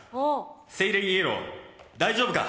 セイレイイエロー、大丈夫か？